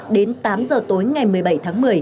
đến tám giờ tối ngày một mươi bảy tháng một mươi